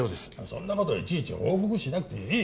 そんなこといちいち報告しなくていい！